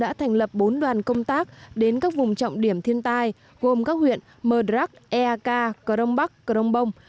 đã thành lập bốn đoàn công tác đến các vùng trọng điểm thiên tai gồm các huyện mờ đrắc ea ca cờ đông bắc cờ đông bông